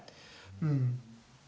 うん。